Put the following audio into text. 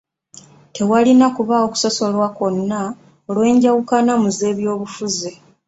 Tewalina kubaawo kusosolwa kwonna olw'enjawukana mu z'ebyobufuzi.